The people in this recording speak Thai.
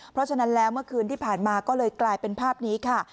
เพราะฉะนั้นแล้วเมื่อคืนที่ผ่านมาก็เลยกลายเป็นภาพนี้ค่ะ